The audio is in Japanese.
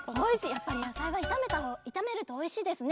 やっぱりやさいはいためるとおいしいですね。